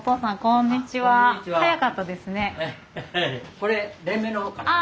これ連盟の方から。